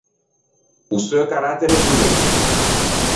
O seu carattere violento.